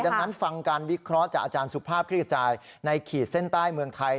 ดังนั้นฟังการวิเคราะห์จากอาจารย์สุภาพคลิกจายในขีดเส้นใต้เมืองไทย